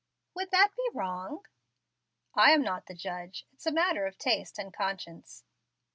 "Would that be wrong?" "I am not the judge. It's a matter of taste and conscience."